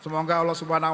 dan saya berterima kasih